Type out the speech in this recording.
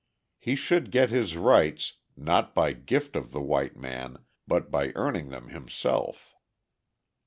He should get his rights, not by gift of the white man, but by earning them himself.